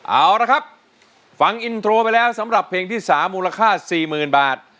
เอาละครับฟังอินโทรไปแล้วสำหรับเพลงที่๓มูลค่า๔๐๐๐บาท